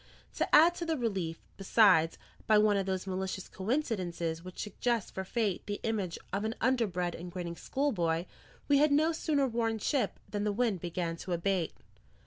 To add to the relief, besides, by one of those malicious coincidences which suggest for fate the image of an underbred and grinning schoolboy, we had no sooner worn ship than the wind began to abate.